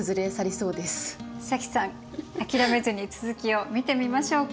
早紀さん諦めずに続きを見てみましょうか。